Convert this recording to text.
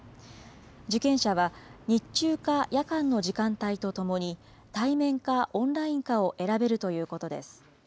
受験者は、日中か夜間の時間帯とともに、対面かオンラインかを選べるということです。